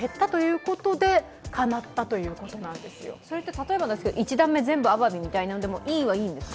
例えば１段目、全部あわびみたいなのも、いいはいいんですか？